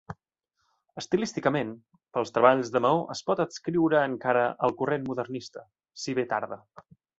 Estilísticament, pels treballs de maó es pot adscriure encara al corrent modernista, si bé tarda.